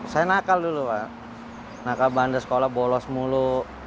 saya nakal dulu nakal bandar sekolah bolos mulu